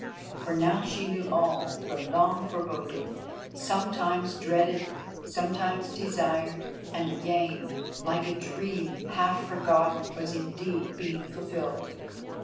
For now she knew all—that the long foreboding, sometimes dreaded, sometimes desired, and again, like a dream, half forgotten, was indeed being fulfilled.